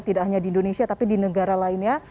tidak hanya di indonesia tapi di negara lainnya